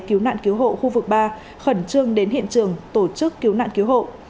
cứu nạn cứu hộ khu vực ba khẩn trương đến hiện trường tổ chức cứu nạn cứu hộ